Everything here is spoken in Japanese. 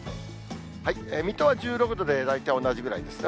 水戸は１６度で、大体同じぐらいですね。